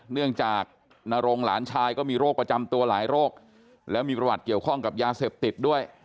เนื่องจากนรงหลานชายก็มีโรคประจำตัวหลายโรคแล้วมีประวัติเกี่ยวข้องกับยาเสพติดด้วย